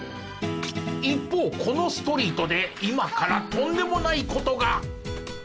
一方このストリートで今からとんでもない事が！